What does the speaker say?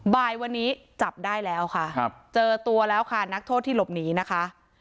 บ่ายวันนี้จับได้แล้วค่ะครับเจอตัวแล้วค่ะนักโทษที่หลบหนีนะคะ